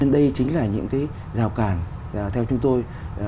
đây chính là những rào cản theo chúng tôi